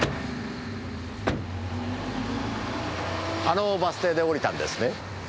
あのバス停で降りたんですね？